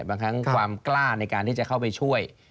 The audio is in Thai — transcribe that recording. บางครั้งความกล้าในการที่จะเข้าไปช่วย